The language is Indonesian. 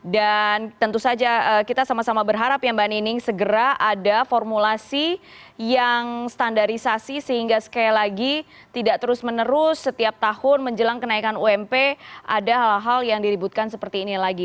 dan tentu saja kita sama sama berharap ya mbak nining segera ada formulasi yang standarisasi sehingga sekali lagi tidak terus menerus setiap tahun menjelang kenaikan ump ada hal hal yang diributkan seperti ini lagi